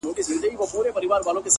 د دې ستړې اوږې نه جنازه نۀ ږدمه زۀ